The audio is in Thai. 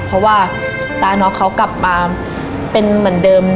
เพราะว่าตาน้องเขากลับมาเป็นเหมือนเดิม